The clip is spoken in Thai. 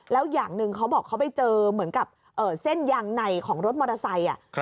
แล้วอย่างหนึ่งเขาบอกเขาไปเจอเหมือนกับเส้นยางในของรถมอเตอร์ไซค์